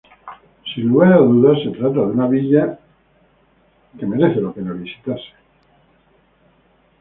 Sin lugar a dudas se trata de una villa que visitarse.